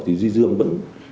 thì duy dương vẫn